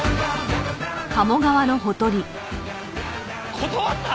断った！？